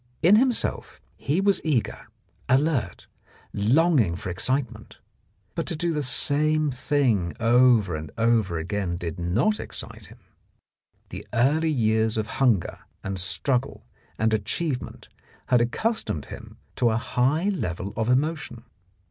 In himself he was eager, alert, longing for excitement, but to do the same thing over and over again did not excite him ; the early years of hunger and struggle and achievement had accustomed him to a high level of emotion.